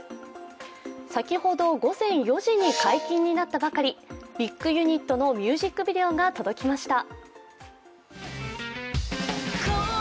先ほど午前４時に解禁になったばかり、ビッグユニットのミュージックビデオが届きました。